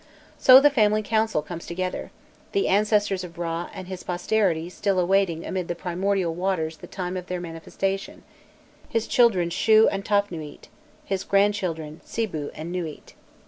So the family council comes together: the ancestors of Râ, and his posterity still awaiting amid the primordial waters the time of their manifestation his children Shû and Tafnûît, his grandchildren Sibû and Nûît.